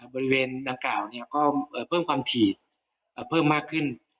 บริเวณดังกล่าวก็เพิ่มความถี่เพิ่มมากขึ้น